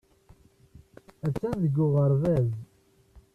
Attan deg uɣerbaz.